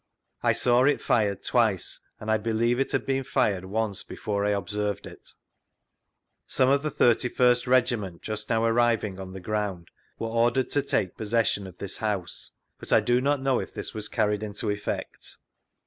I saw it fired twice, and I believe it had been fired once before I observed it. Some of the 31st Regiment just now arriving on the groutul were ordered to talce possession of this house, but I do not know if this was carried into eflfect.